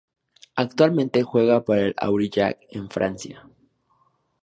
Actualmente juega para el Aurillac, en Francia.